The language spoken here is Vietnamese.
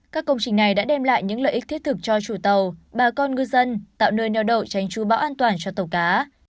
các công trình này đã đem lại những lợi ích thiết thực cho chủ tàu bà con ngư dân tạo nơi neo đậu tránh chú bão an toàn cho tàu cá